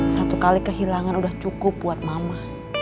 satu kali kehilangan udah cukup buat mama